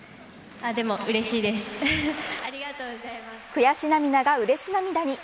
悔し涙がうれし涙に。